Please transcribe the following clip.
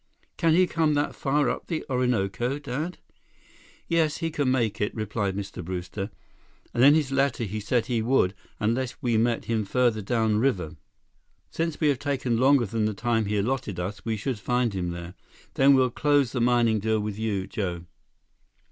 "Can he come that far up the Orinoco, Dad?" "Yes, he can make it," replied Mr. Brewster. "And in his letter he said he would, unless we met him farther downriver. Since we have taken longer than the time he allotted us, we should find him there. Then we'll close the mining deal with you, Joe."